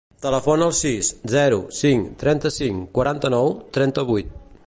Telefona al sis, zero, cinc, trenta-cinc, quaranta-nou, trenta-vuit.